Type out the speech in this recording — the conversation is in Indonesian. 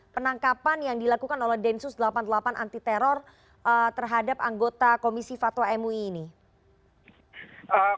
penangkapan yang dilakukan oleh densus delapan puluh delapan anti teror terhadap anggota komisi fatwa mui ini